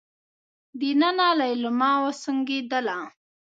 دننه ليلما وسونګېدله.